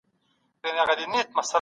ماشوم له خاورو او چټلیو وساتئ.